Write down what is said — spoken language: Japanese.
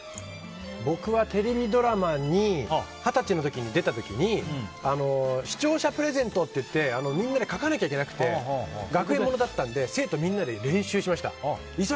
僕はテレビドラマに二十歳の時に出た時視聴者プレゼントっていってみんなで書かなきゃいけなくて学園ものだったので生徒みんなで練習しました。